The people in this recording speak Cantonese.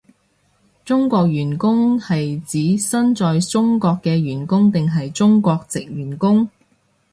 中國員工係指身在中國嘅員工定係中國藉員工？